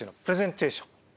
プレゼンテーション？